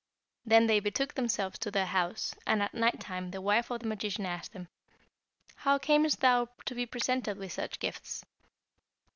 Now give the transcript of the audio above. Then they betook themselves to their house, and at night time the wife of the magician asked him, 'How camest thou to be presented with such gifts?'